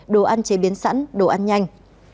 đồ ăn chế biến sẵn đồ ăn nhanh